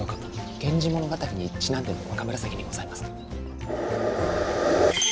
源氏物語にちなんでの若紫にございますか？